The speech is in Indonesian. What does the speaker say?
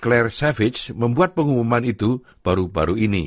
ketua eir claire savage membuat pengumuman itu baru baru ini